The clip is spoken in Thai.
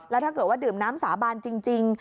แล้วถ้าเกิดว่าดื่มน้ำสาบานจริง